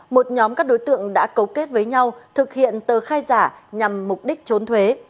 một nhóm các đối tượng đã cấu kết với nhau thực hiện tờ khai giả nhằm mục đích trốn thuế